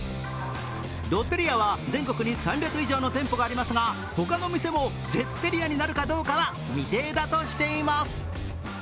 ロッテリアは全国に３００以上の店舗がありますが他の店もゼッテリアになるかどうかは未定だとしています。